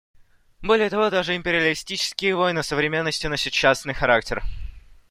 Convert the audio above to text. Более того, даже империалистические войны современности носят частный характер.